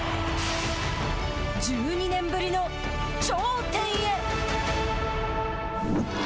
１２年ぶりの頂点へ。